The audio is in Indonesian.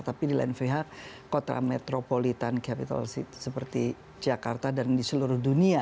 tapi di lain pihak kota metropolitan capital seat seperti jakarta dan di seluruh dunia